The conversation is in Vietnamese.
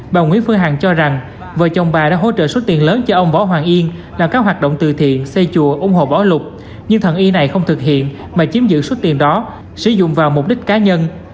bà nguyễn phương hằng cho rằng vợ chồng bà đã hỗ trợ số tiền lớn cho ông võ hoàng yên làm các hoạt động từ thiện xây chùa ủng hộ bỏ lục nhưng thần y này không thực hiện mà chiếm giữ số tiền đó sử dụng vào mục đích cá nhân